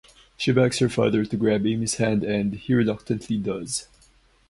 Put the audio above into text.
She begs her father to grab Amy's hand and he reluctantly does.